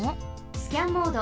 スキャンモード。